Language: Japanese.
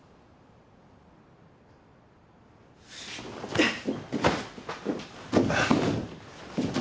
うっ！